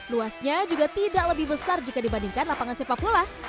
luasnya juga tidak lebih besar jika dibandingkan lapangan sepak bola